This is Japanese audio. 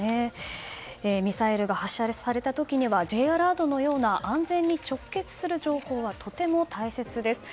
ミサイルが発射された時にはＪアラートのような安全に直結する情報はとても大切です。